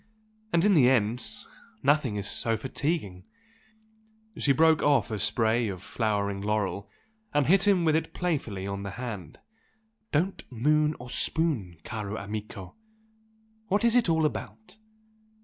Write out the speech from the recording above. And in the end nothing is so fatiguing!" She broke off a spray of flowering laurel and hit him with it playfully on the hand. "Don't moon or spoon, caro amico! What is it all about?